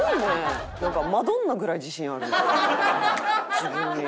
自分に。